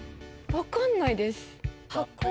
わかんないです。